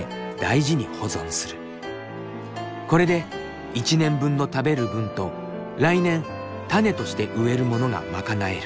これで一年分の食べる分と来年種として植えるものが賄える。